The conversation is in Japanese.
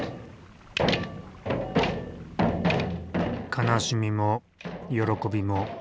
悲しみも喜びも。